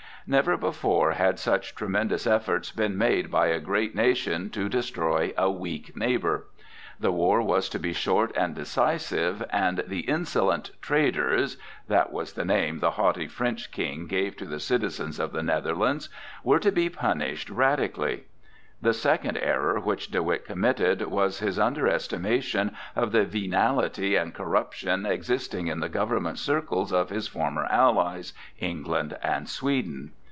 Never before had such tremendous efforts been made by a great nation to destroy a weak neighbor. The war was to be short and decisive, and the insolent "traders"—that was the name the haughty French King gave to the citizens of the Netherlands—were to be punished radically. The second error which De Witt committed was his underestimation of the venality and corruption existing in the government circles of his former allies, England and Sweden.